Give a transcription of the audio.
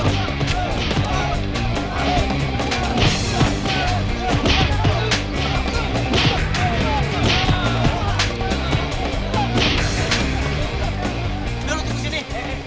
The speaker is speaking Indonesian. udah lu tunggu sini